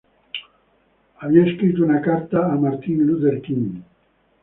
Había escrito una carta a Martin Luther King, Jr.